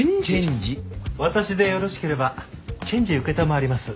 私でよろしければチェンジ承ります。